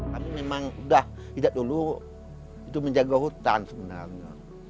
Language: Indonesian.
kami memang sudah tidak dulu itu menjaga hutan sebenarnya